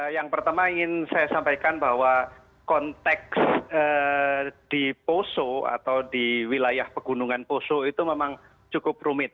yang pertama ingin saya sampaikan bahwa konteks di poso atau di wilayah pegunungan poso itu memang cukup rumit